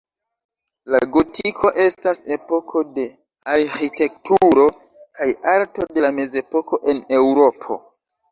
La gotiko estas epoko de arĥitekturo kaj arto de la mezepoko en Eŭropo.